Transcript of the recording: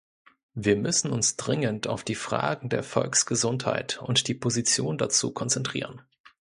Wir müssen uns dringend auf die Fragen der Volksgesundheit und die Position dazu konzentrieren.